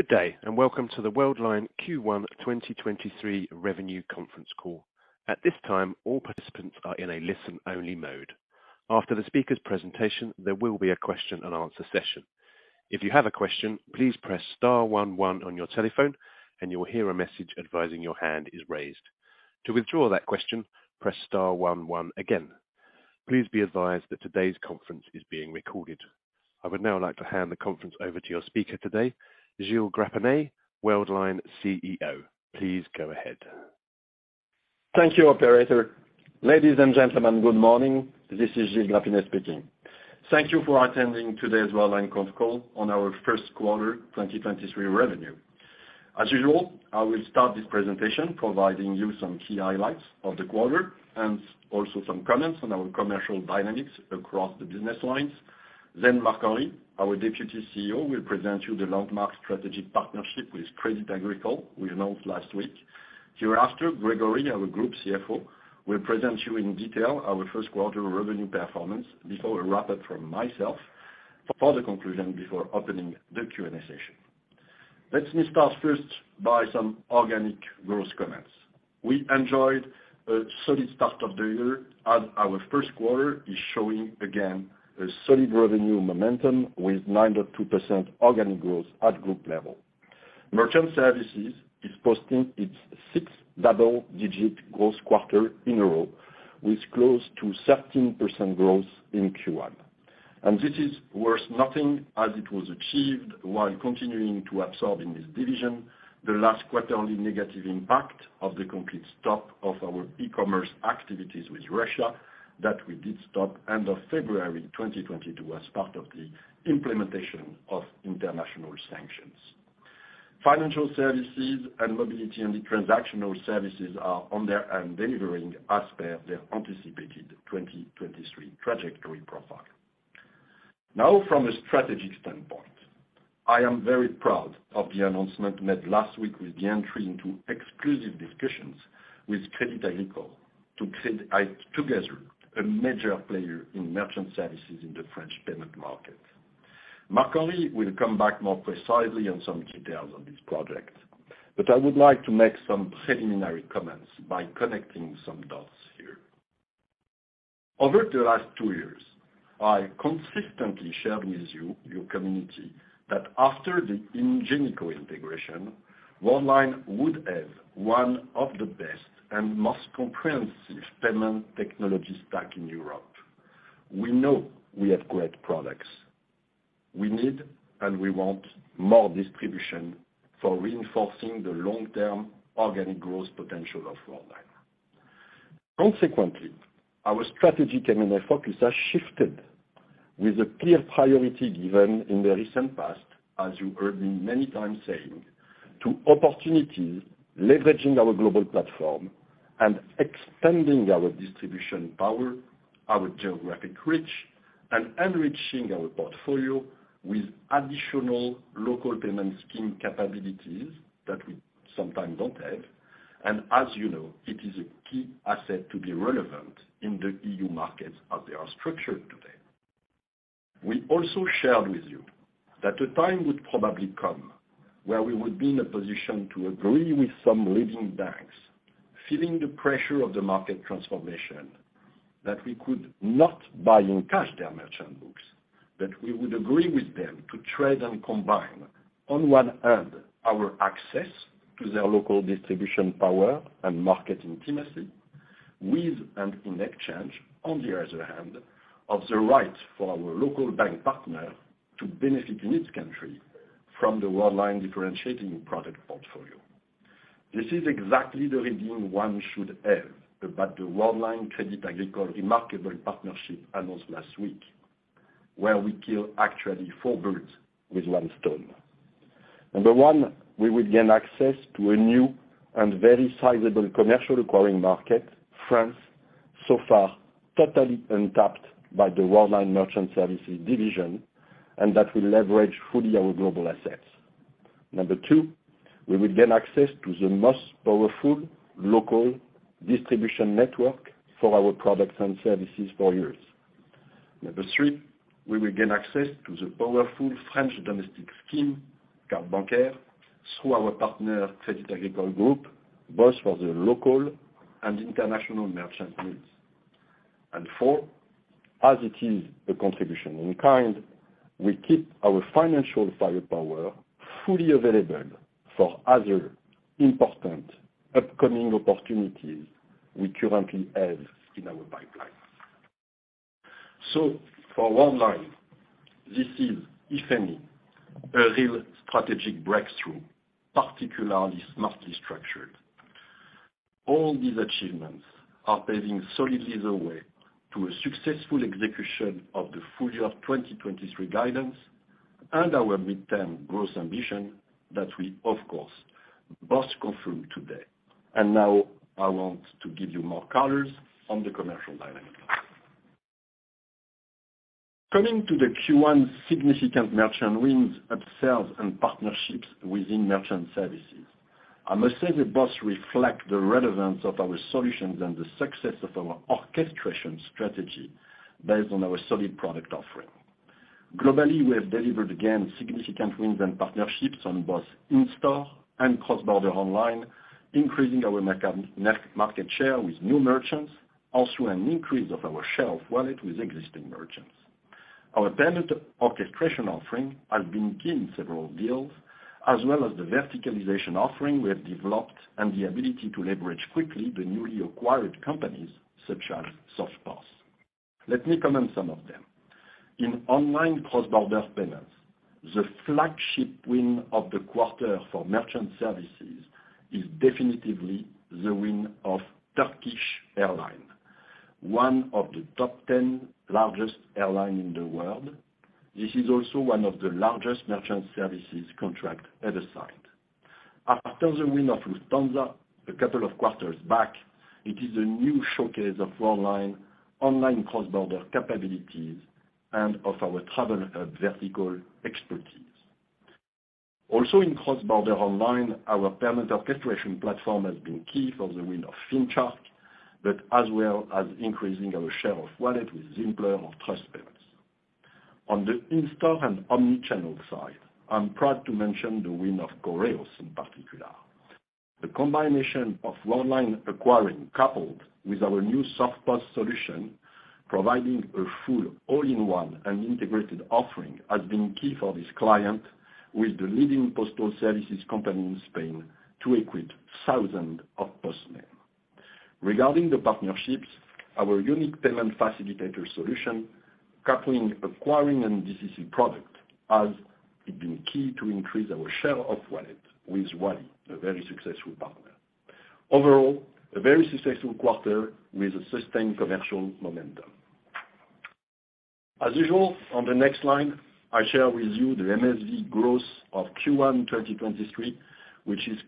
Good day, and welcome to the Worldline Q1 2023 Revenue Conference Call. At this time, all participants are in a listen-only mode. After the speaker's presentation, there will be a question and answer session. If you have a question, please press star one one on your telephone, and you will hear a message advising your hand is raised. To withdraw that question, press star one one again. Please be advised that today's conference is being recorded. I would now like to hand the conference over to your speaker today, Gilles Grapinet, Worldline CEO. Please go ahead. Thank you, operator. Ladies and gentlemen, good morning. This is Gilles Grapinet speaking. Thank you for attending today's Worldline conference call on our first quarter 2023 revenue. As usual, I will start this presentation providing you some key highlights of the quarter and also some comments on our commercial dynamics across the business lines. Marc-Henri, our Deputy CEO, will present you the landmark strategic partnership with Crédit Agricole we announced last week. Hereafter, Grégory, our Group CFO, will present you in detail our first quarter revenue performance before a wrap up from myself for the conclusion before opening the Q&A session. Let me start first by some organic growth comments. We enjoyed a solid start of the year as our first quarter is showing again a solid revenue momentum with 9.2% organic growth at group level. Merchant services is posting its sixth double-digit growth quarter in a row, with close to 13% growth in Q1. This is worth nothing as it was achieved while continuing to absorb in this division the last quarterly negative impact of the complete stop of our e-commerce activities with Russia that we did stop end of February 2022 as part of the implementation of international sanctions. Financial Services and Mobility & e-Transactional Services are on their end delivering as per their anticipated 2023 trajectory profile. From a strategic standpoint, I am very proud of the announcement made last week with the entry into exclusive discussions with Crédit Agricole to create together a major player in merchant services in the French payment market. Marc-Henri will come back more precisely on some details of this project. I would like to make some preliminary comments by connecting some dots here. Over the last two years, I consistently shared with you, your community, that after the Ingenico integration, Worldline would have one of the best and most comprehensive payment technology stack in Europe. We know we have great products. We need and we want more distribution for reinforcing the long-term organic growth potential of Worldline. Consequently, our strategic M&A focus has shifted with a clear priority given in the recent past, as you heard me many times saying, to opportunities leveraging our global platform and extending our distribution power, our geographic reach, and enriching our portfolio with additional local payment scheme capabilities that we sometimes don't have. As you know, it is a key asset to be relevant in the EU markets as they are structured today. We also shared with you that a time would probably come where we would be in a position to agree with some leading banks, feeling the pressure of the market transformation, that we could not buy and cash their merchant books, that we would agree with them to trade and combine on one hand our access to their local distribution power and market intimacy with and in exchange, on the other hand, of the right for our local bank partner to benefit in its country from the Worldline differentiating product portfolio. This is exactly the review one should have about the Worldline-Crédit Agricole remarkable partnership announced last week, where we kill actually four birds with one stone. 1. We will gain access to a new and very sizable commercial acquiring market, France, so far totally untapped by the Worldline merchant services division, and that will leverage fully our global assets. 2. We will gain access to the most powerful local distribution network for our products and services for years. 3. We will gain access to the powerful French domestic scheme, Carte Bancaire, through our partner, Crédit Agricole group, both for the local and international merchant needs. 4. As it is a contribution in kind, we keep our financial firepower fully available for other important upcoming opportunities we currently have in our pipeline. For Worldline, this is, if any, a real strategic breakthrough, particularly smartly structured. All these achievements are paving solidly the way to a successful execution of the full year of 2023 guidance and our midterm growth ambition that we, of course, both confirm today. Now I want to give you more colors on the commercial dynamic. Coming to the Q1 significant merchant wins, upsells, and partnerships within merchant services. I must say the both reflect the relevance of our solutions and the success of our orchestration strategy based on our solid product offering. Globally, we have delivered again significant wins and partnerships on both in-store and cross-border online, increasing our net-market share with new merchants, also an increase of our share of wallet with existing merchants. Our payment orchestration offering has been key in several deals, as well as the verticalization offering we have developed and the ability to leverage quickly the newly acquired companies such as SoftPOS. Let me comment some of them. In online cross-border payments, the flagship win of the quarter for merchant services is definitively the win of Turkish Airlines, one of the top 10 largest airline in the world. This is also one of the largest merchant services contract ever signed. After the win of Lufthansa a couple of quarters back, it is a new showcase of Worldline online cross-border capabilities and of our travel vertical expertise. Also in cross-border online, our payment orchestration platform has been key for the win of FinTech, but as well as increasing our share of wallet with Zimpler or Trust Payments. On the in-store and omni-channel side, I'm proud to mention the win of Correos, in particular. The combination of Worldline acquiring, coupled with our new SoftPOS solution, providing a full all-in-one and integrated offering has been key for this client with the leading postal services company in Spain to equip thousands of postmen. Regarding the partnerships, our unique payment facilitator solution, coupling, acquiring, and DCC product has been key to increase our share of wallet with Wallee, a very successful partner. Overall, a very successful quarter with a sustained commercial momentum. As usual, on the next line, I share with you the MSV growth of Q1 2023, which is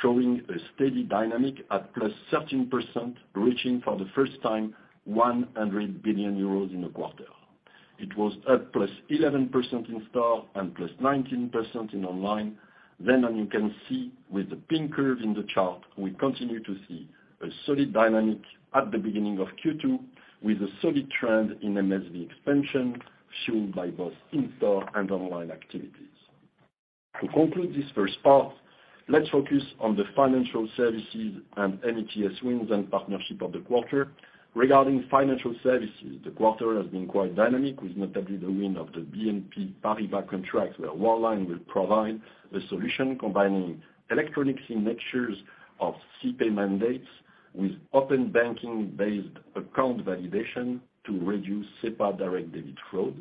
showing a steady dynamic at +13%, reaching for the first time 100 billion euros in a quarter. It was at +11% in store and +19% in online. You can see with the pink curve in the chart, we continue to see a solid dynamic at the beginning of Q2 with a solid trend in MSV expansion fueled by both in-store and online activities. To conclude this first part, let's focus on the financial services and MeTS wins and partnership of the quarter. Regarding financial services, the quarter has been quite dynamic, with notably the win of the BNP Paribas contract, where Worldline will provide a solution combining electronic signatures of SDD mandates with open banking-based account validation to reduce SEPA direct debit fraud.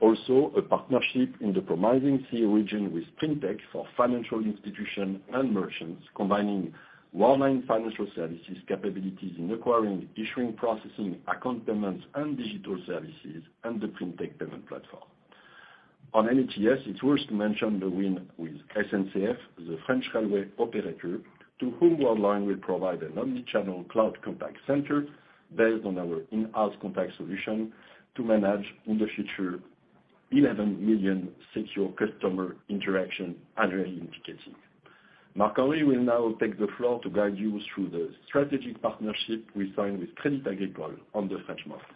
Also a partnership in the promising SEA region with FinTech for financial institution and merchants, combining Worldline financial services capabilities in acquiring, issuing, processing, account payments, and digital services, and the FinTech payment platform. On MeTS, it's worth to mention the win with SNCF, the French railway operator, to whom Worldline will provide an omni-channel cloud contact center based on our in-house contact solution to manage, in the future, 11 million secure customer interaction annually indicated. Marc-Henri will now take the floor to guide you through the strategic partnership we signed with Crédit Agricole on the French market.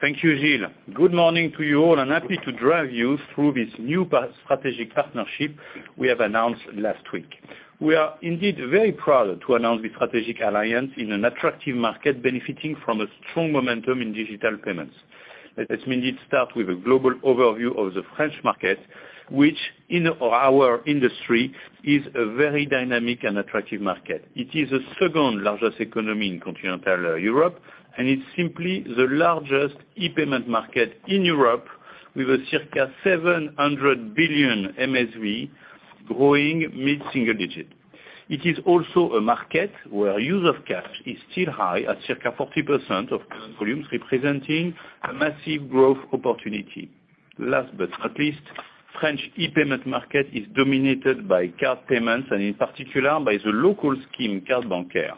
Thank you, Gilles. Good morning to you all. Happy to drive you through this new strategic partnership we have announced last week. We are indeed very proud to announce this strategic alliance in an attractive market benefiting from a strong momentum in digital payments. Let's indeed start with a global overview of the French market, which in our industry is a very dynamic and attractive market. It is the second-largest economy in continental Europe. It's simply the largest e-payment market in Europe with a circa 700 billion MSV growing mid-single digit. It is also a market where use of cash is still high at circa 40% of current volumes, representing a massive growth opportunity. Last but not least, French e-payment market is dominated by card payments, and in particular, by the local scheme, Carte Bancaire,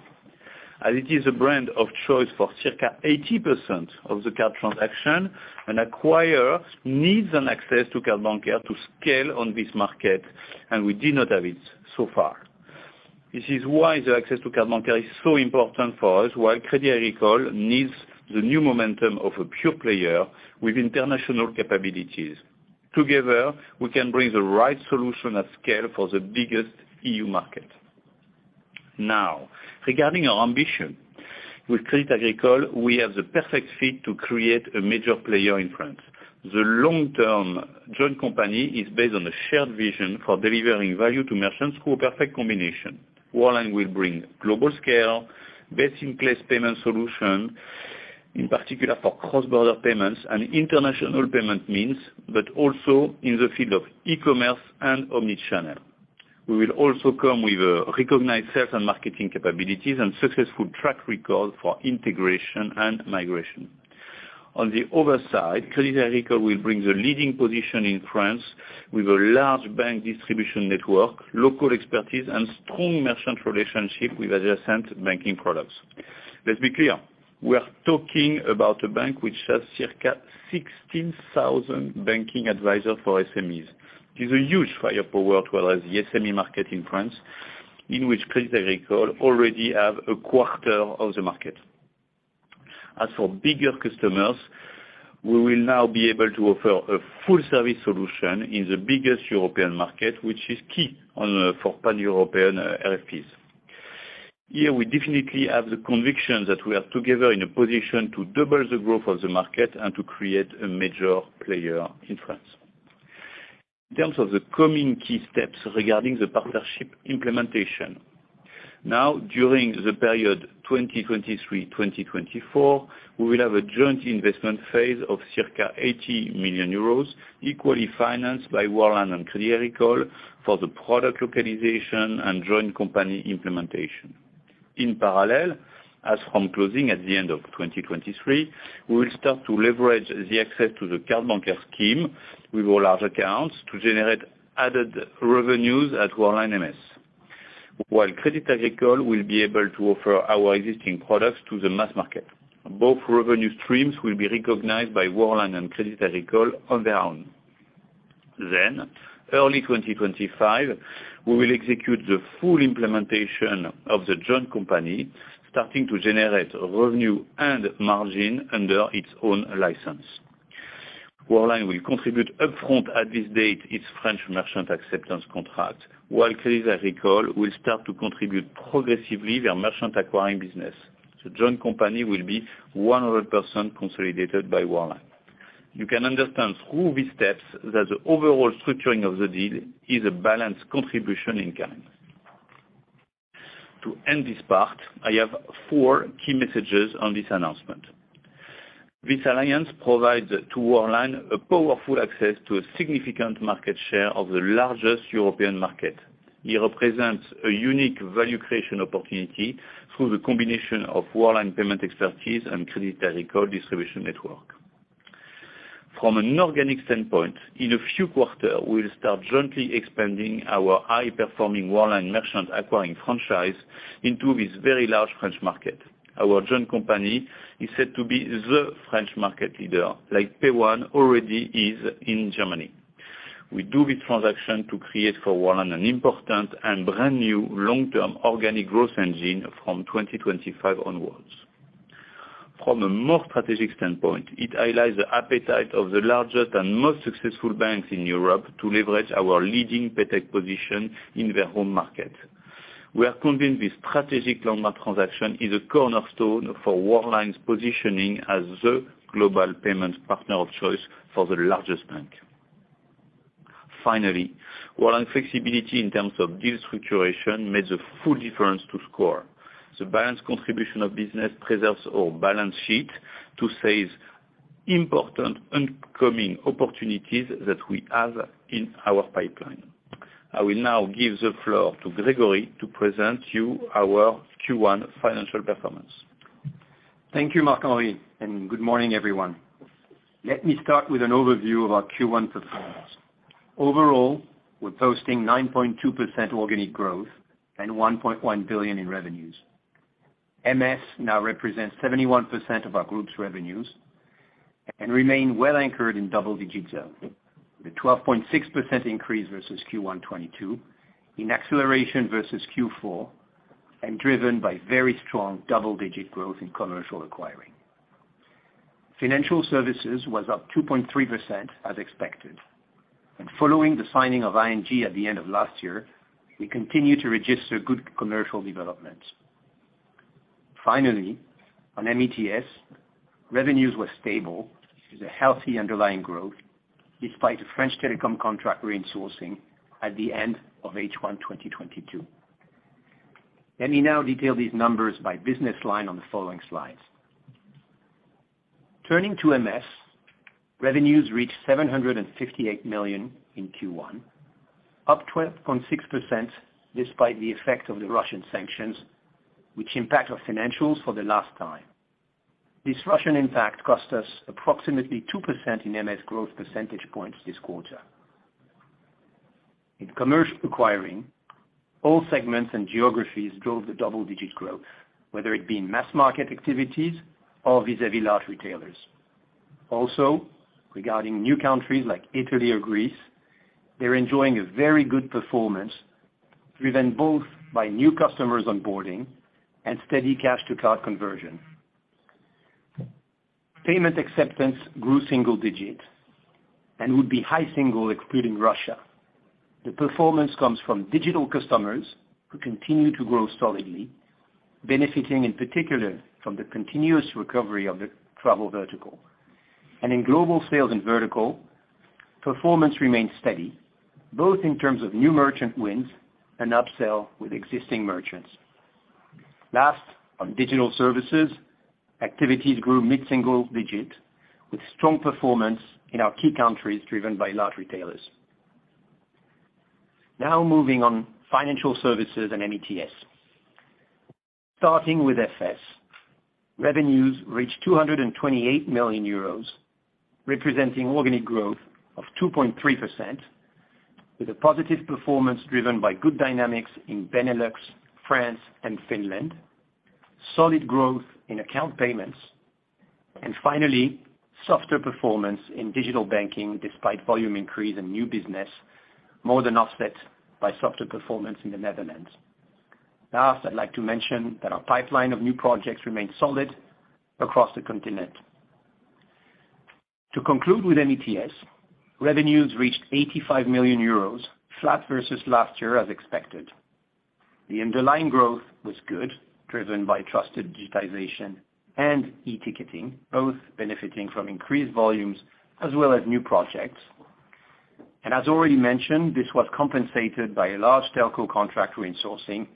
as it is a brand of choice for circa 80% of the card transaction, an acquirer needs an access to Carte Bancaire to scale on this market, and we did not have it so far. This is why the access to Carte Bancaire is so important for us, while Crédit Agricole needs the new momentum of a pure player with international capabilities. Together, we can bring the right solution at scale for the biggest EU market. Regarding our ambition, with Crédit Agricole, we have the perfect fit to create a major player in France. The long-term joint company is based on a shared vision for delivering value to merchants through a perfect combination. Worldline will bring global scale, best-in-class payment solution, in particular for cross-border payments and international payment means, but also in the field of e-commerce and omni-channel. We will also come with recognized sales and marketing capabilities and successful track record for integration and migration. On the other side, Crédit Agricole will bring the leading position in France with a large bank distribution network, local expertise, and strong merchant relationship with adjacent banking products. Let's be clear, we are talking about a bank which has circa 16,000 banking advisor for SMEs. This is a huge firepower to analyze the SME market in France, in which Crédit Agricole already have 1/4 of the market. As for bigger customers, we will now be able to offer a full service solution in the biggest European market, which is key for pan-European RFPs. Here, we definitely have the conviction that we are together in a position to double the growth of the market and to create a major player in France. In terms of the coming key steps regarding the partnership implementation. During the period 2023/2024, we will have a joint investment phase of circa 80 million euros, equally financed by Worldline and Crédit Agricole for the product localization and joint company implementation. In parallel, as from closing at the end of 2023, we'll start to leverage the access to the Cartes Bancaires scheme with all large accounts to generate added revenues at Worldline MS. While Crédit Agricole will be able to offer our existing products to the mass market. Both revenue streams will be recognized by Worldline and Crédit Agricole on their own. Early 2025, we will execute the full implementation of the joint company, starting to generate revenue and margin under its own license. Worldline will contribute upfront at this date, its French merchant acceptance contract. While Crédit Agricole will start to contribute progressively their merchant acquiring business. The joint company will be 100% consolidated by Worldline. You can understand through these steps that the overall structuring of the deal is a balanced contribution in kind. To end this part, I have four key messages on this announcement. This alliance provides to Worldline a powerful access to a significant market share of the largest European market. It represents a unique value creation opportunity through the combination of Worldline payment expertise and Crédit Agricole distribution network. From an inorganic standpoint, in a few quarter, we'll start jointly expanding our high-performing Worldline merchant acquiring franchise into this very large French market. Our joint company is set to be the French market leader, like PAYONE already is in Germany. We do this transaction to create for Worldline an important and brand-new long-term organic growth engine from 2025 onwards. From a more strategic standpoint, it highlights the appetite of the largest and most successful banks in Europe to leverage our leading PayTech position in their home market. We are convinced this strategic landmark transaction is a cornerstone for Worldline's positioning as the global payments partner of choice for the largest bank. Finally, Worldline flexibility in terms of deal structuration made the full difference to score. The balanced contribution of business preserves our balance sheet to save important incoming opportunities that we have in our pipeline. I will now give the floor to Grégory to present you our Q1 financial performance. Thank you, Marc-Henri. Good morning, everyone. Let me start with an overview of our Q1 performance. Overall, we're posting 9.2% organic growth and 1.1 billion in revenues. MS now represents 71% of our group's revenues. Remain well anchored in double-digit zone. With a 12.6% increase versus Q1 2022 in acceleration versus Q4, driven by very strong double-digit growth in commercial acquiring. Financial services was up 2.3% as expected. Following the signing of ING at the end of last year, we continue to register good commercial developments. Finally, on MeTS, revenues were stable with a healthy underlying growth despite the French Telecom contract re-insourcing at the end of H1 2022. Let me now detail these numbers by business line on the following slides. Turning to MS, revenues reached 758 million in Q1, up 12.6% despite the effect of the Russian sanctions, which impact our financials for the last time. This Russian impact cost us approximately 2% in MS growth percentage points this quarter. In commercial acquiring, all segments and geographies drove the double-digit growth, whether it be in mass market activities or vis-à-vis large retailers. Also, regarding new countries like Italy or Greece, they're enjoying a very good performance driven both by new customers onboarding and steady cash to card conversion. Payment acceptance grew single digits and would be high single excluding Russia. The performance comes from digital customers who continue to grow solidly, benefiting in particular from the continuous recovery of the travel vertical. In global sales and vertical, performance remains steady, both in terms of new merchant wins and upsell with existing merchants. Last, on digital services, activities grew mid-single-digit with strong performance in our key countries driven by large retailers. Now moving on financial services and MeTS. Starting with FS, revenues reached 228 million euros, representing organic growth of 2.3%. With a positive performance driven by good dynamics in Benelux, France, and Finland, solid growth in account payments, and finally, softer performance in digital banking despite volume increase in new business more than offset by softer performance in the Netherlands. Last, I'd like to mention that our pipeline of new projects remains solid across the continent. To conclude with MeTS, revenues reached 85 million euros, flat versus last year as expected. The underlying growth was good, driven by trusted digitization and e-ticketing, both benefiting from increased volumes as well as new projects. As already mentioned, this was compensated by a large telco contract we're outsourcing,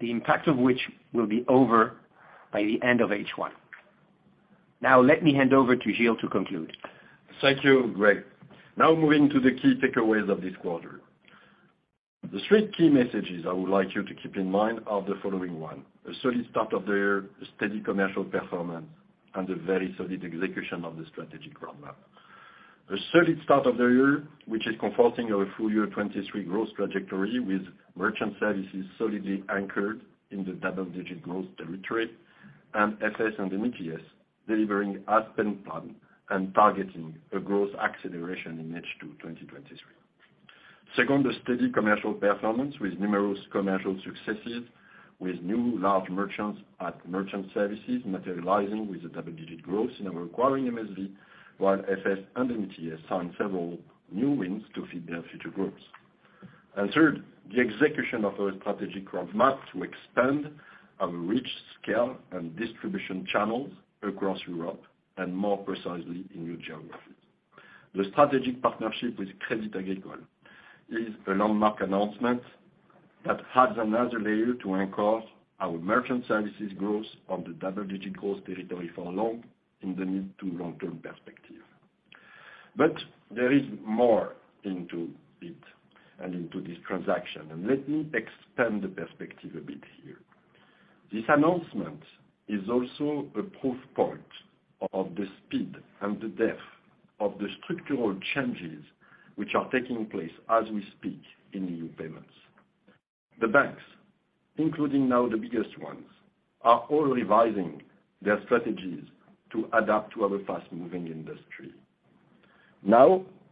the impact of which will be over by the end of H1. Let me hand over to Gilles to conclude. Thank you, Greg. Moving to the key takeaways of this quarter. The 3 key messages I would like you to keep in mind are the following 1: a solid start of the year, a steady commercial performance, and a very solid execution of the strategic roadmap. A solid start of the year, which is comforting our full year 2023 growth trajectory with merchant services solidly anchored in the double-digit growth territory, and FS and NETS delivering as planned and targeting a growth acceleration in H2 2023. Second, a steady commercial performance with numerous commercial successes, with new large merchants at merchant services materializing with the double-digit growth in our acquiring MSV, while FS and MeTS signed several new wins to feed their future growth. Third, the execution of our strategic roadmap to expand our reach, scale, and distribution channels across Europe, and more precisely in new geographies. The strategic partnership with Crédit Agricole is a landmark announcement that adds another layer to anchor our merchant services growth on the double-digit growth territory for long in the mid-to-long-term perspective. There is more into it and into this transaction, let me expand the perspective a bit here. This announcement is also a proof point of the speed and the depth of the structural changes which are taking place as we speak in EU payments. The banks, including now the biggest ones, are all revising their strategies to adapt to our fast-moving industry.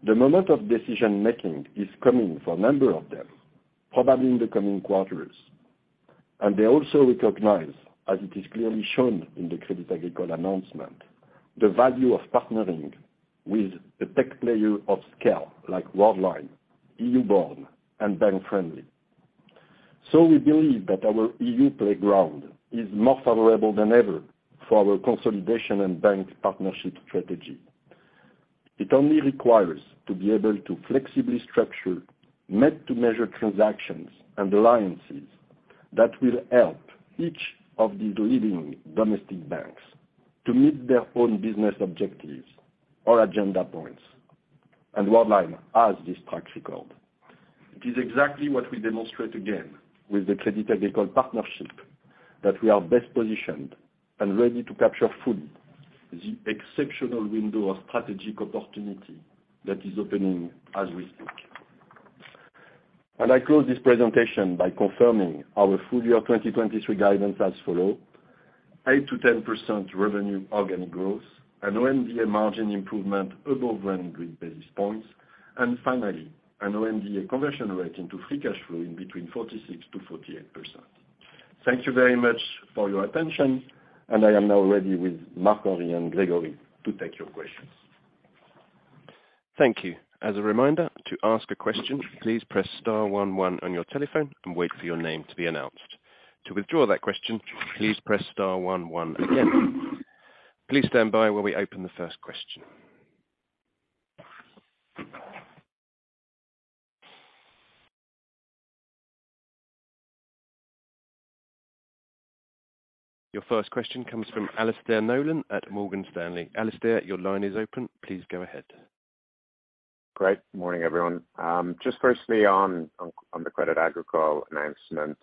The moment of decision-making is coming for a number of them, probably in the coming quarters. They also recognize, as it is clearly shown in the Crédit Agricole announcement, the value of partnering with a tech player of scale like Worldline, EU-born, and bank-friendly. We believe that our EU playground is more favorable than ever for our consolidation and bank partnership strategy. It only requires to be able to flexibly structure, meet to measure transactions and alliances that will help each of these leading domestic banks to meet their own business objectives or agenda points. Worldline has this track record. It is exactly what we demonstrate again with the Crédit Agricole partnership, that we are best positioned and ready to capture fully the exceptional window of strategic opportunity that is opening as we speak. I close this presentation by confirming our full year 2023 guidance as follow: 8%-10% revenue organic growth, an OMDA margin improvement above 100 basis points, and finally, an OMDA conversion rate into free cash flow in between 46%-48%. Thank you very much for your attention. I am now ready with Marc-Henri and Grégory to take your questions. Thank you. As a reminder, to ask a question, please press star one one on your telephone and wait for your name to be announced. To withdraw that question, please press star one one again. Please stand by while we open the first question. Your first question comes from Alastair Nolan at Morgan Stanley. Alastair, your line is open. Please go ahead. Great. Morning, everyone. Just firstly on the Crédit Agricole announcement,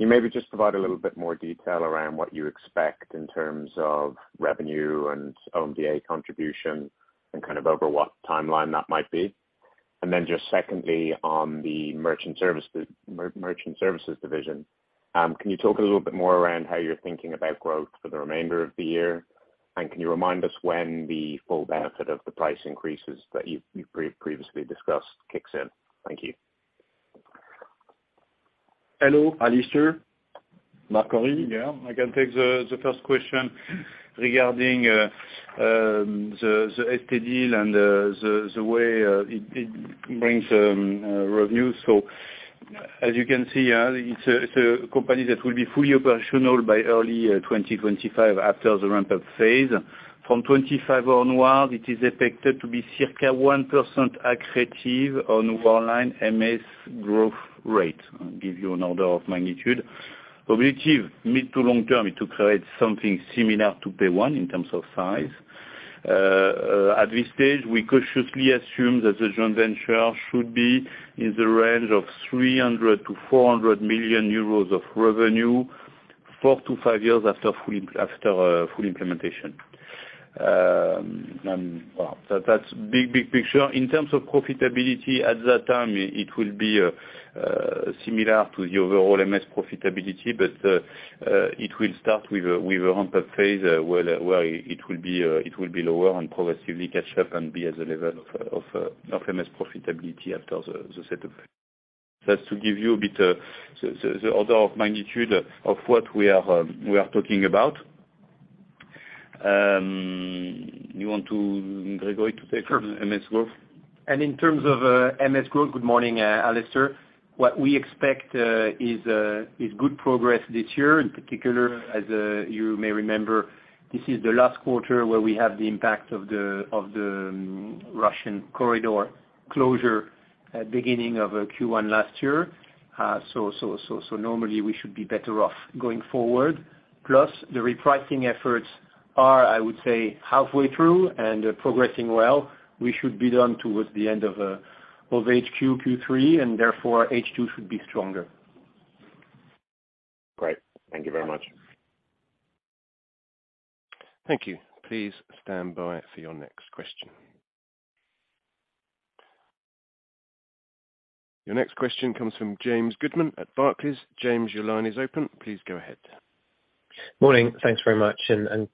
can you maybe just provide a little bit more detail around what you expect in terms of revenue and OMDA contribution and kind of over what timeline that might be? Just secondly, on the merchant services division, can you talk a little bit more around how you're thinking about growth for the remainder of the year? Can you remind us when the full benefit of the price increases that you've previously discussed kicks in? Thank you. Hello, Alastair. Marc-Henri? Yeah, I can take the first question regarding the CA deal and the way it brings revenue. As you can see, it's a company that will be fully operational by early 2025 after the ramp-up phase. From 2025 onward, it is expected to be circa 1% accretive on Worldline MS growth rate. I'll give you an order of magnitude. Objective mid- to long term is to create something similar to PAYONE in terms of size. At this stage, we cautiously assume that the joint venture should be in the range of 300 million-400 million euros of revenue. Four to five years after full, after full implementation. Well, that's big, big picture. In terms of profitability at that time, it will be similar to the overall MS profitability, but it will start with a ramp-up phase, where it will be lower and progressively catch up and be at the level of MS profitability after the set up. That's to give you a bit the order of magnitude of what we are talking about. You want to Grégory to take on MS growth? Sure. In terms of MS growth, good morning, Alastair. What we expect is good progress this year. In particular, as you may remember, this is the last quarter where we have the impact of the Russian corridor closure at beginning of Q1 last year. So normally we should be better off going forward. Plus the repricing efforts are, I would say, halfway through and progressing well. We should be done towards the end of HQ Q3, and therefore H2 should be stronger. Great. Thank you very much. Thank you. Please stand by for your next question. Your next question comes from James Goodman at Barclays. James, your line is open. Please go ahead. Morning. Thanks very much,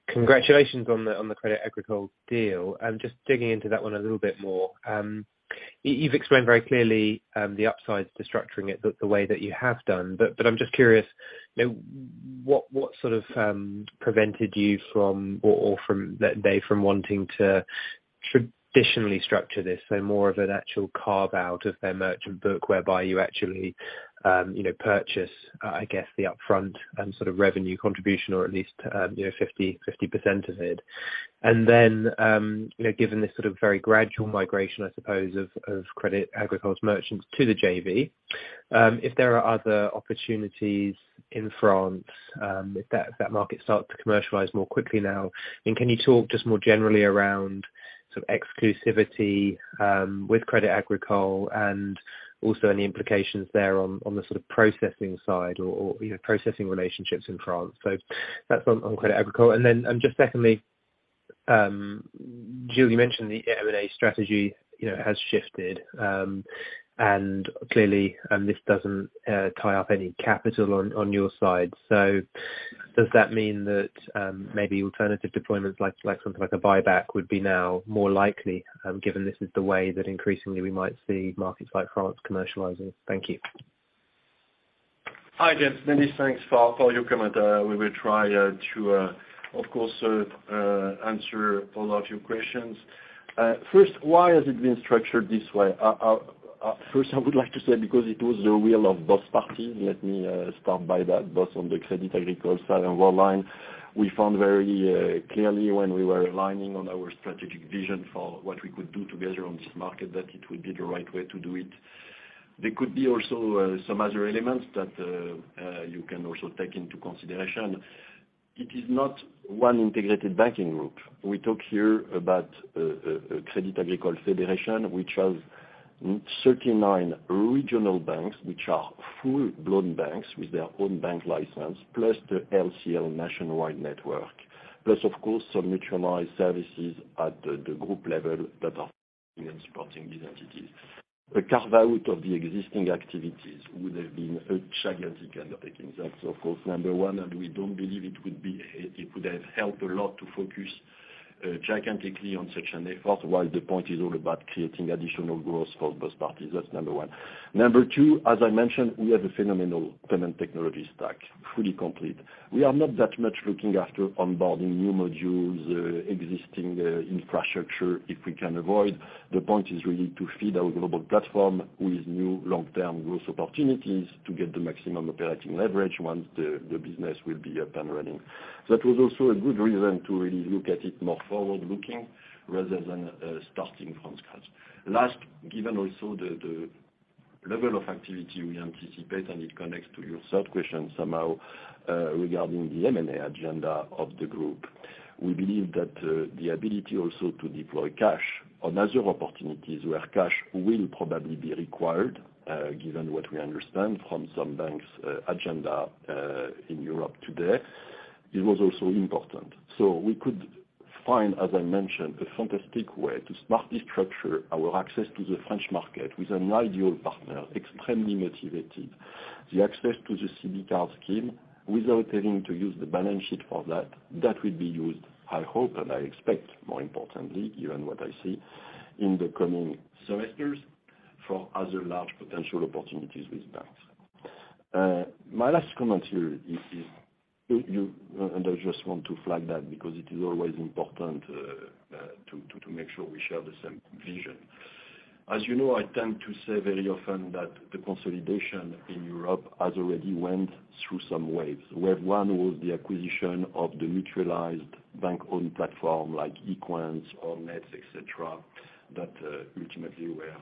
congratulations on the Crédit Agricole deal. Just digging into that one a little bit more, you've explained very clearly the upsides to structuring it the way that you have done, but I'm just curious, you know, what sort of prevented you from, or from they from wanting to traditionally structure this? More of an actual carve-out of their merchant book, whereby you actually, you know, purchase, I guess the upfront, sort of revenue contribution or at least, you know, 50% of it. Given this sort of very gradual migration, I suppose of Credit Agricole merchants to the JV, if there are other opportunities in France, if that market starts to commercialize more quickly now, and can you talk just more generally around sort of exclusivity with Credit Agricole and also any implications there on the sort of processing side or, you know, processing relationships in France? That's on Credit Agricole. Just secondly, Gilles, you mentioned the M&A strategy, you know, has shifted, and clearly, this doesn't tie up any capital on your side. Does that mean that maybe alternative deployments like something like a buyback would be now more likely, given this is the way that increasingly we might see markets like France commercializing? Thank you. Hi, James. Many thanks for your comment. We will try to of course answer all of your questions. First, why has it been structured this way? First I would like to say because it was the will of both parties. Let me start by that, both on the Crédit Agricole side and Worldline. We found very clearly when we were aligning on our strategic vision for what we could do together on this market, that it would be the right way to do it. There could be also some other elements that you can also take into consideration. It is not one integrated banking group. We talk here about Crédit Agricole Federation, which has 39 regional banks, which are full-blown banks with their own bank license, plus the LCL nationwide network. Of course, some mutualized services at the group level that are supporting these entities. A carve-out of the existing activities would have been a gigantic undertaking. That's of course number 1, and we don't believe It could have helped a lot to focus gigantically on such an effort, while the point is all about creating additional growth for both parties. That's number 1. Number 2, as I mentioned, we have a phenomenal payment technology stack, fully complete. We are not that much looking after onboarding new modules, existing infrastructure if we can avoid. The point is really to feed our global platform with new long-term growth opportunities to get the maximum operating leverage once the business will be up and running. That was also a good reason to really look at it more forward-looking rather than starting from scratch. Last, given also the level of activity we anticipate, and it connects to your third question somehow, regarding the M&A agenda of the group. We believe that the ability also to deploy cash on other opportunities where cash will probably be required, given what we understand from some banks' agenda in Europe today, it was also important. We could find, as I mentioned, a fantastic way to smartly structure our access to the French market with an ideal partner, extremely motivated. The access to the CB card scheme without having to use the balance sheet for that will be used, I hope, and I expect more importantly given what I see in the coming semesters for other large potential opportunities with banks. My last comment here is if you... I just want to flag that because it is always important to make sure we share the same vision. As you know, I tend to say very often that the consolidation in Europe has already went through some waves. Wave one was the acquisition of the neutralized bank-owned platform like Equens or Nets, et cetera, that ultimately were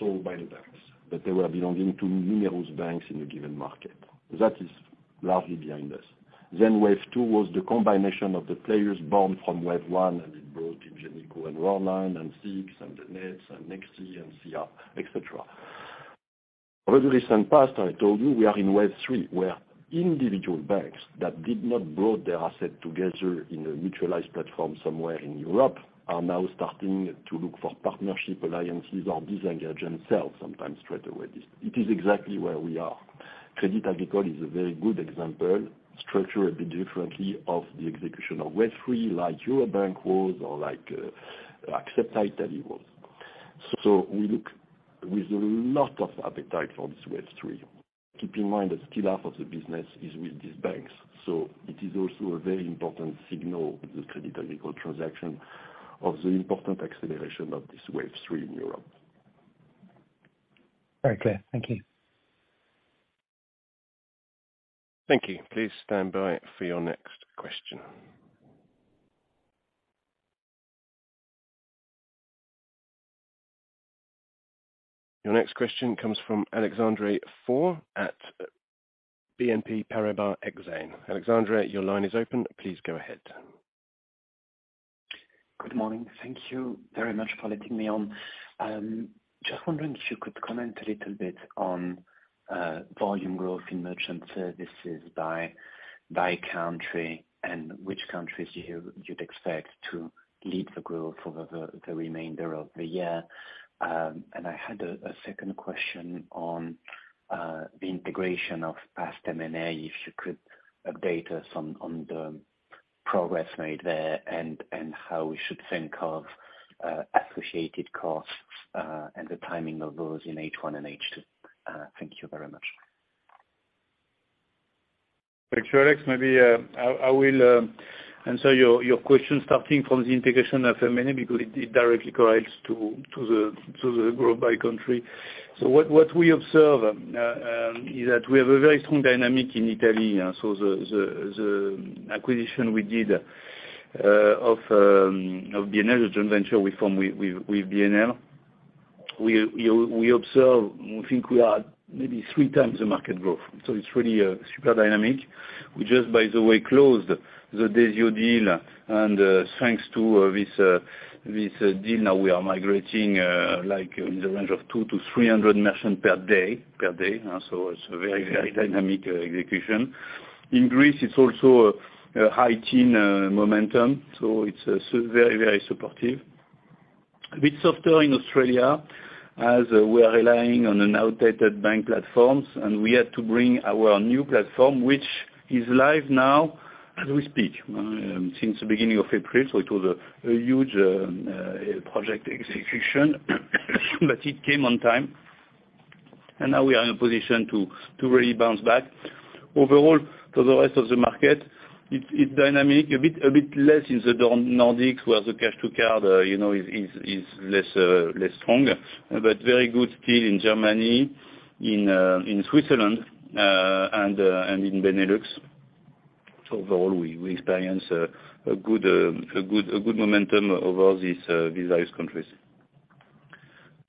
sold by the banks, but they were belonging to numerous banks in a given market. That is largely behind us. Wave two was the combination of the players born from wave one. Worldline and SIX and Nets and Nexi and SIA, et cetera. Over the recent past, I told you, we are in wave three, where individual banks that did not brought their asset together in a mutualized platform somewhere in Europe are now starting to look for partnership alliances or disengage and sell sometimes straight away. It is exactly where we are. Crédit Agricole is a very good example, structured a bit differently of the execution of wave three, like Eurobank was or like Axepta Italy was. We look with a lot of appetite for this wave three. Keep in mind that still half of the business is with these banks, so it is also a very important signal with the Crédit Agricole transaction of the important acceleration of this wave three in Europe. Very clear. Thank you. Thank you. Please stand by for your next question. Your next question comes from Alexandre Faure at BNP Paribas Exane. Alexandre, your line is open. Please go ahead. Good morning. Thank you very much for letting me on. Just wondering if you could comment a little bit on volume growth in merchant services by country and which countries you'd expect to lead the growth over the remainder of the year. I had a second question on the integration of past M&A, if you could update us on the progress made there and how we should think of associated costs and the timing of those in H1 and H2. Thank you very much. Thanks, Alex. Maybe I will answer your question starting from the integration of M&A because it directly correlates to the growth by country. What we observe is that we have a very strong dynamic in Italy. The acquisition we did of BNL, the joint venture we form with BNL, we observe, we think we are maybe 3 times the market growth. It's really a super dynamic. We just, by the way, closed the Desio deal, and thanks to this deal, now we are migrating like in the range of 200-300 merchant per day. It's a very dynamic execution. In Greece, it's also a high-teen momentum. It's very, very supportive. A bit softer in Australia as we are relying on an outdated bank platforms. We had to bring our new platform, which is live now as we speak, since the beginning of April. It was a huge project execution, but it came on time. Now we are in a position to really bounce back. Overall, to the rest of the market, it dynamic. A bit less in the Nordics, where the cash to card, you know, is less strong. Very good feel in Germany, in Switzerland, and in Benelux. Overall, we experience a good momentum over these various countries,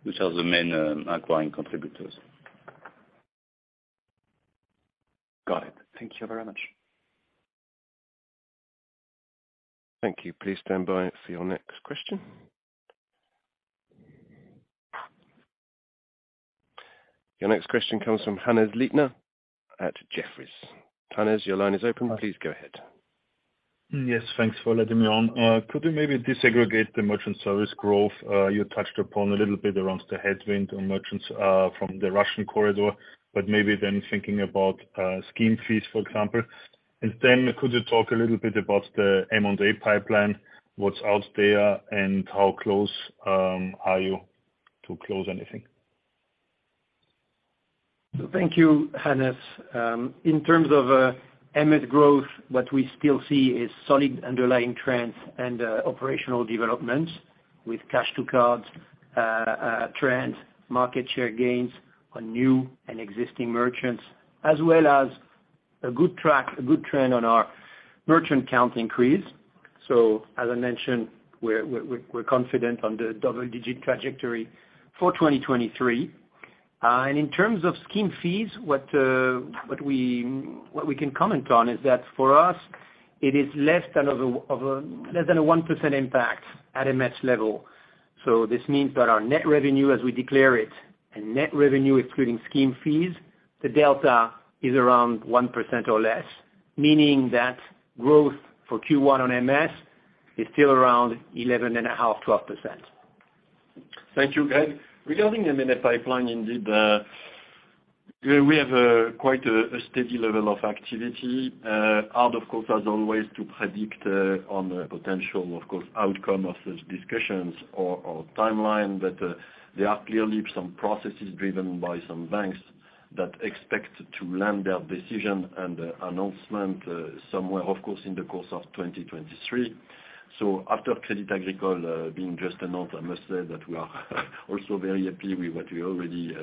which are the main acquiring contributors. Got it. Thank you very much. Thank you. Please stand by for your next question. Your next question comes from Hannes Leitner at Jefferies. Hannes, your line is open. Please go ahead. Yes, thanks for letting me on. Could you maybe disaggregate the merchant service growth? You touched upon a little bit around the headwind on merchants, from the Russian corridor, but maybe then thinking about, scheme fees, for example. Could you talk a little bit about the M&A pipeline, what's out there, and how close are you to close anything? Thank you, Hannes. In terms of MS growth, what we still see is solid underlying trends and operational developments with cash-to-cards trends, market share gains on new and existing merchants, as well as a good trend on our merchant count increase. As I mentioned, we're confident on the double-digit trajectory for 2023. In terms of scheme fees, what we can comment on is that for us it is less than a 1% impact at MS level. This means that our net revenue as we declare it and net revenue excluding scheme fees, the delta is around 1% or less, meaning that growth for Q1 on MS is still around 11.5%-12%. Thank you, Greg. Regarding M&A pipeline, indeed, we have quite a steady level of activity. Hard, of course, as always to predict, on the potential, of course, outcome of such discussions or timeline. There are clearly some processes driven by some banks that expect to land their decision and announcement somewhere, of course, in the course of 2023. After Crédit Agricole being just announced, I must say that we are also very happy with what we already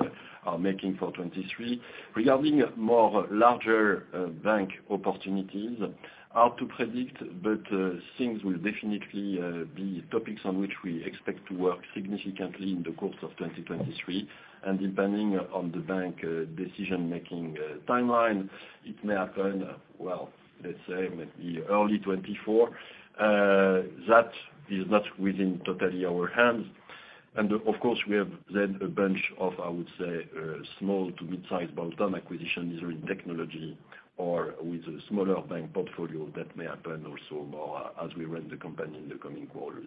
are making for 2023. Regarding more larger bank opportunities, hard to predict, but things will definitely be topics on which we expect to work significantly in the course of 2023. Depending on the bank decision-making timeline, it may happen, well, let's say maybe early 2024. That is not within totally our hands. Of course, we have then a bunch of, I would say, small to mid-size bolt-on acquisitions, either in technology or with a smaller bank portfolio that may happen also more as we run the company in the coming quarters.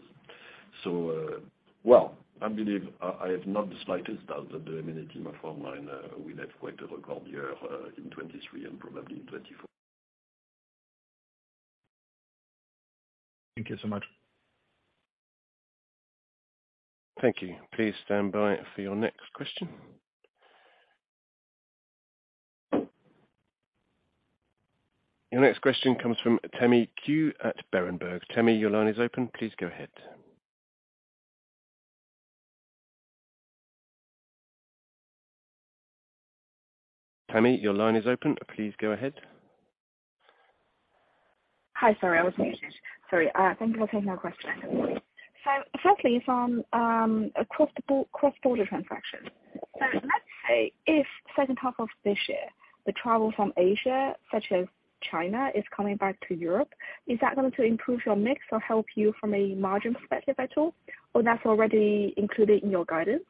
Well, I believe I have not the slightest doubt that the M&T Multiline line will have quite a record year in 2023 and probably in 2024. Thank you so much. Thank you. Please stand by for your next question. Your next question comes from Tammy Qiu at Berenberg. Tammy, your line is open. Please go ahead. Hi, sorry. I was muted. Sorry. Thank you for taking my question. Firstly, from cross-border transactions. Let's say if second half of this year, the travel from Asia, such as China, is coming back to Europe, is that going to improve your mix or help you from a margin perspective at all, or that's already included in your guidance?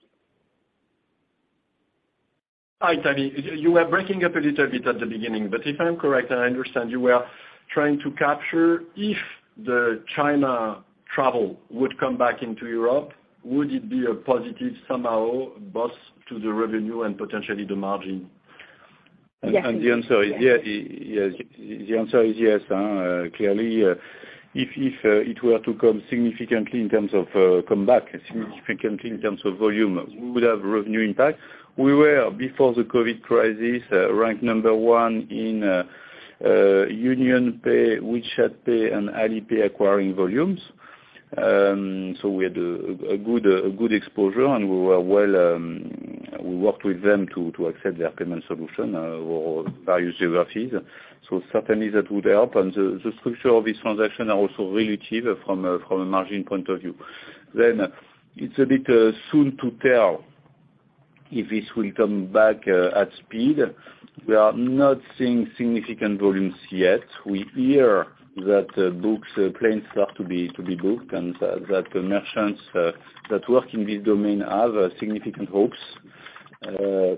Hi, Tammy. You were breaking up a little bit at the beginning, but if I'm correct, and I understand, you were trying to capture if the China travel would come back into Europe, would it be a positive somehow, both to the revenue and potentially the margin? Yes. The answer is yeah. The answer is yes. Clearly, if it were to come back significantly in terms of volume, we would have revenue impact. We were, before the COVID crisis, ranked number one in UnionPay, WeChat Pay, and Alipay acquiring volumes. We had a good exposure, and we were well. We worked with them to accept their payment solution over various geographies. Certainly that would help. The structure of this transaction are also relative from a margin point of view. It's a bit soon to tell if this will come back at speed. We are not seeing significant volumes yet. We hear that books, planes start to be booked and that the merchants that work in this domain have significant hopes. I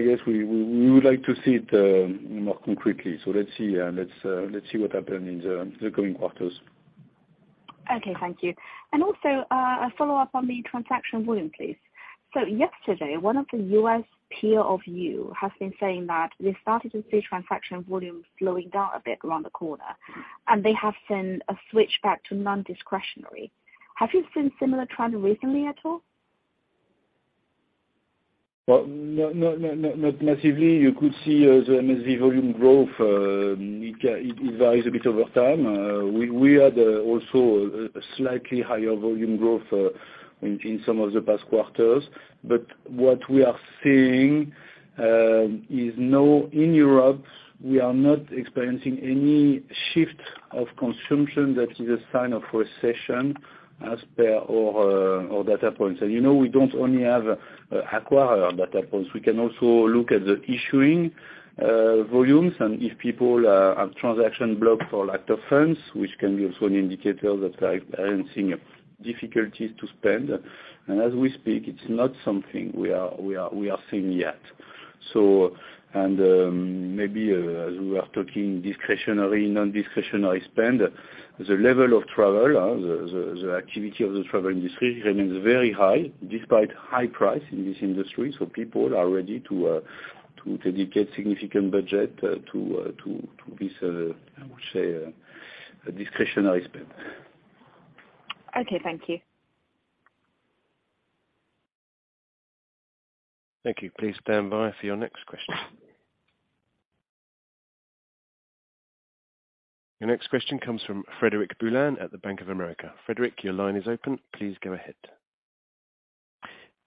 guess we would like to see it more concretely. Let's see what happens in the coming quarters. Okay, thank you. A follow-up on the transaction volume, please. Yesterday, one of the U.S. peer of you has been saying that they started to see transaction volume slowing down a bit around the corner, and they have seen a switch back to non-discretionary. Have you seen similar trend recently at all? Well, no, not massively. You could see the MSV volume growth, it varies a bit over time. We had also a slightly higher volume growth in some of the past quarters. What we are seeing, in Europe, we are not experiencing any shift of consumption that is a sign of recession as per our data points. You know, we don't only have acquirer data points. We can also look at the issuing volumes and if people have transaction blocked for lack of funds, which can be also an indicator that they are experiencing difficulties to spend. As we speak, it's not something we are seeing yet. And, maybe, as we are talking discretionary, non-discretionary spend, the level of travel, the activity of the travel industry remains very high despite high price in this industry. People are ready to dedicate significant budget to this, I would say, discretionary spend. Okay, thank you. Thank you. Please stand by for your next question. Your next question comes from Frederic Boulan at the Bank of America. Frederic, your line is open. Please go ahead.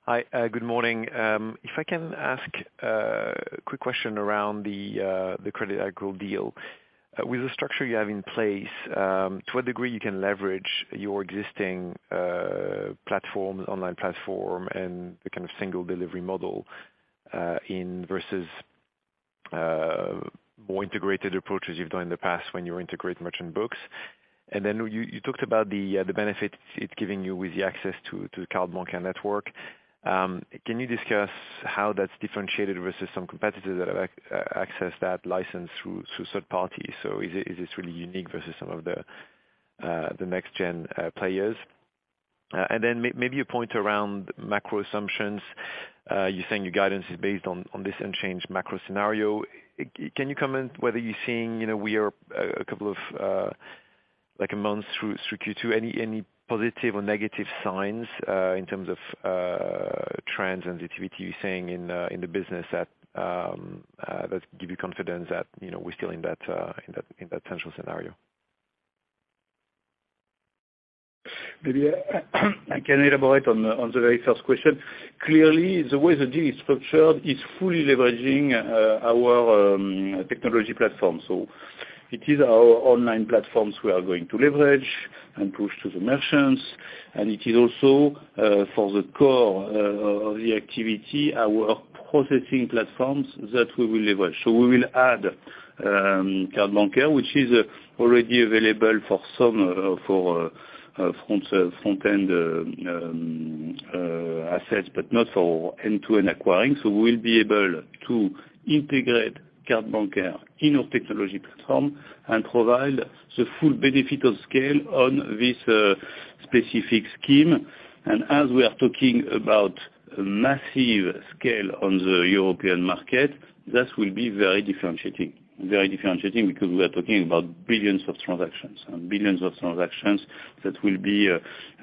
Hi. Good morning. If I can ask a quick question around the Crédit Agricole deal. With the structure you have in place, to what degree you can leverage your existing platform, online platform and the kind of single delivery model in versus more integrated approaches you've done in the past when you integrate merchant books. You talked about the benefit it's giving you with the access to Cartes Bancaires network. Can you discuss how that's differentiated versus some competitors that have access that license through third parties? Is it, is this really unique versus some of the next gen players? Maybe a point around macro assumptions. You're saying your guidance is based on this unchanged macro scenario. Can you comment whether you're seeing, you know, we are a couple of, like a month through Q2, any positive or negative signs in terms of trends and activity you're seeing in the business that give you confidence that, you know, we're still in that potential scenario? Maybe I can elaborate on the very first question. Clearly, the way the deal is structured, it's fully leveraging our technology platform. It is our online platforms we are going to leverage and push to the merchants. It is also for the core of the activity, our processing platforms that we will leverage. We will add Cartes Bancaires, which is already available for some for front-end assets but not for end-to-end acquiring. We'll be able to integrate Cartes Bancaires in our technology platform and provide the full benefit of scale on this specific scheme. As we are talking about massive scale on the European market, that will be very differentiating. Very differentiating because we are talking about billions of transactions and billions of transactions that will be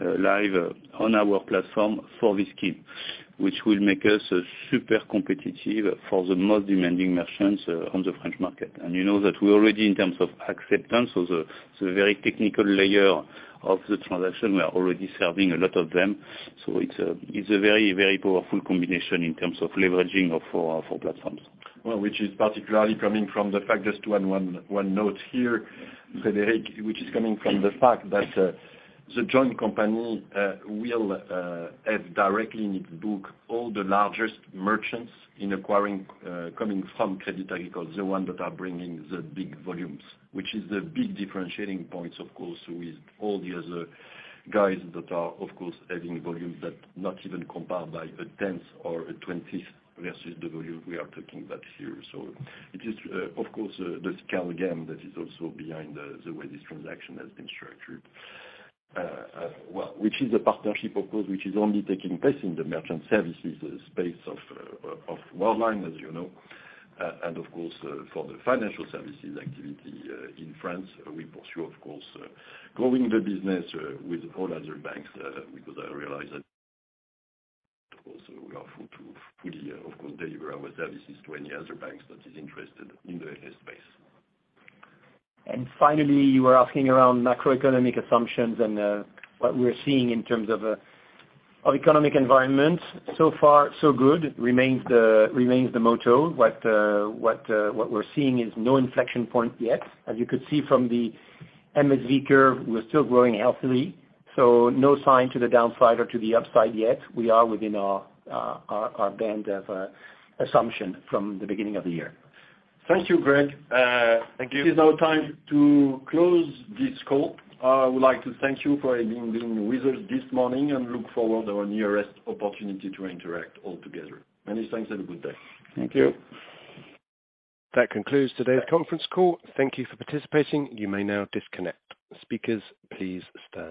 live on our platform for this scheme. Which will make us super competitive for the most demanding merchants on the French market. You know that we already in terms of acceptance of the very technical layer of the transaction, we are already serving a lot of them. It's a very, very powerful combination in terms of leveraging of our platforms. Well, which is particularly coming from the fact, just to add 1 note here, Frederic, which is coming from the fact that the joint company will have directly in its book all the largest merchants in acquiring coming from Crédit Agricole, the one that are bringing the big volumes, which is the big differentiating points, of course, with all the other guys that are, of course, adding volume that not even compared by a tenth or a twentieth versus the volume we are talking about here. It is, of course, the scale game that is also behind the way this transaction has been structured. Well, which is a partnership, of course, which is only taking place in the merchant services space of Worldline, as you know. Of course, for the financial services activity, in France, we pursue, of course, growing the business with all other banks, because I realize that of course we are free to fully, of course, deliver our services to any other banks that is interested in the space. Finally, you were asking around macroeconomic assumptions and what we're seeing in terms of economic environment. So far so good. Remains the motto. What we're seeing is no inflection point yet. As you could see from the MSV curve, we're still growing healthily, so no sign to the downside or to the upside yet. We are within our band of assumption from the beginning of the year. Thank you, Greg. Thank you. It is now time to close this call. I would like to thank you for being with us this morning and look forward to our nearest opportunity to interact all together. Many thanks, and have a good day. Thank you. That concludes today's conference call. Thank you for participating. You may now disconnect. Speakers, please stand by.